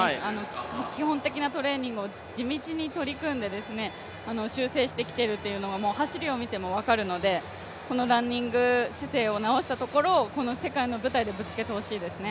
基本的なトレーニングを地道に取り組んで、修正してきているというのが走りを見ても分かるので、このランニング姿勢を直したところをこの世界の舞台でぶつけてほしいですね。